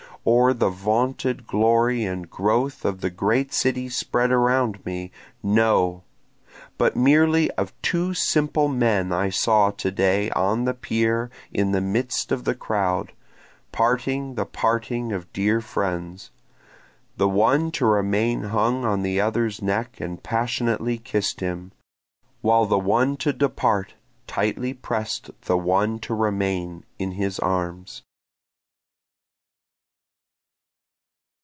Or the vaunted glory and growth of the great city spread around me? no; But merely of two simple men I saw to day on the pier in the midst of the crowd, parting the parting of dear friends, The one to remain hung on the other's neck and passionately kiss'd him, While the one to depart tightly prest the one to remain in his arms.